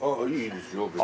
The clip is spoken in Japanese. いいですよ。